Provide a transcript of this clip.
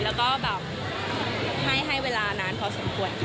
แล้วก็ให้เวลานานพอสมควร